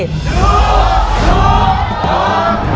ถูก